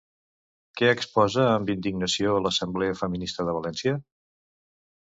Què exposa amb indignació l'Assemblea Feminista de València?